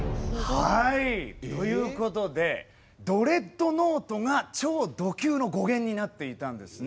はいということでドレッドノートが「超ド級」の語源になっていたんですね。